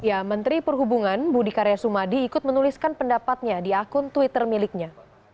ya menteri perhubungan budi karya sumadi ikut menuliskan pendapatnya di akun twitter miliknya